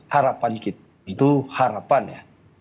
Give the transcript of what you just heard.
harapan kita tentu harapan ya